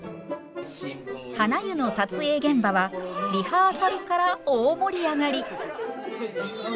はな湯の撮影現場はリハーサルから大盛り上がり！